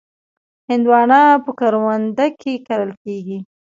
هندوانه په کرونده کې کرل کېږي.